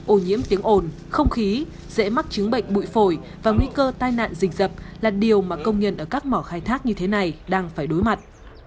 ô nhiễm tiếng ồn không khí dễ mắc chứng bệnh bụi phổi và nguy cơ tai nạn rình dập là điều mà công nhân ở các mỏ khai thác như thế này đang phải đối mặt